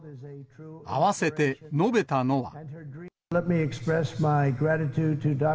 あわせて述べたのは。